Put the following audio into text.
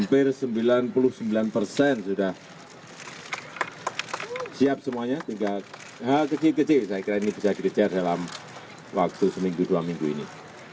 hampir sembilan puluh sembilan persen sudah siap semuanya tinggal hal kecil kecil saya kira ini bisa dikejar dalam waktu seminggu dua minggu ini